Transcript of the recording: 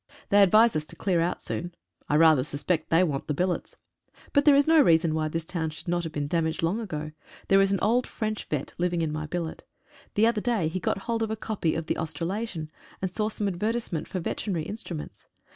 They advise us to clear out soon. I rather suspect they want the billets! But there is no reason why this town should not have been damaged long ago. There is an old French vet. living in my billet. The other day he got hold of a copy of the "Australasian," and saw some advertisement for veterinary instruments.